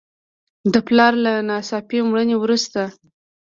د پلار له ناڅاپي مړینې وروسته.